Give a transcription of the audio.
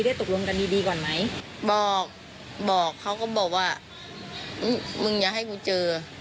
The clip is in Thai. ตกลงกันดีดีก่อนไหมบอกบอกเขาก็บอกว่ามึงอย่าให้กูเจอ